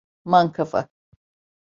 Mankafa!